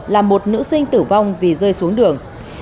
làm một nữ sinh tử vong vì rơi xuống đường